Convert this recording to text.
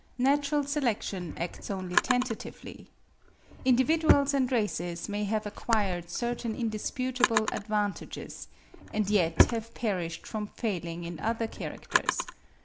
Natural selection acts only tentatively. Individuals and races may have acquired certain indisputable advantages, and yet have perished from failing in other characters.